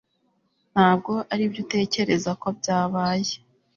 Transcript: ntabwo aribyo utekereza ko byabaye